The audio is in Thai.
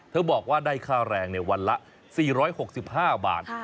เธอบอกว่าได้ค่าแรงเนี่ยวันละ๔๖๕บาท